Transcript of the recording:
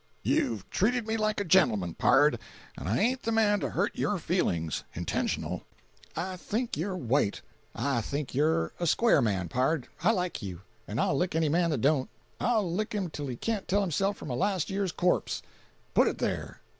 "You've treated me like a gentleman, pard, and I ain't the man to hurt your feelings intentional. I think you're white. I think you're a square man, pard. I like you, and I'll lick any man that don't. I'll lick him till he can't tell himself from a last year's corpse! Put it there!"